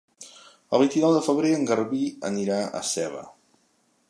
El vint-i-nou de febrer en Garbí anirà a Seva.